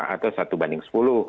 atau satu banding sepuluh